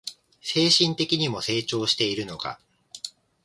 精神的にも成長しているのが